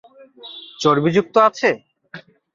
চর্বিযুক্ত আছে?